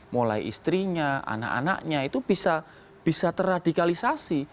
mulai istrinya anak anaknya itu bisa terradikalisasi